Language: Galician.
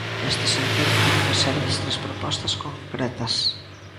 Neste sentido, quero facerlles tres propostas concretas.